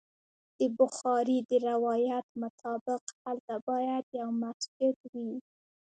د بخاري د روایت مطابق هلته باید یو مسجد وي.